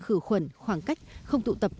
khử khuẩn khoảng cách không tụ tập